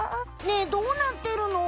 ねえどうなってるの？